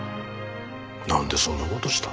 なんでそんな事した？